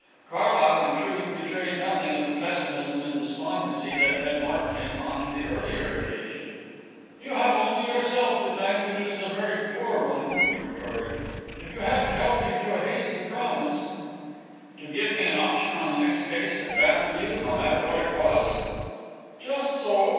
Carlyle, in truth, betrayed nothing of the pessimism and despondency that had marked him on the earlier occasion. "You have only yourself to thank that it is a very poor one," he retorted. "If you hadn't held me to a hasty promise " "To give me an option on the next case that baffled you, no matter what it was " "Just so.